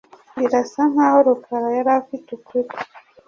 Birasa nkaho Rukara yari afite ukuri.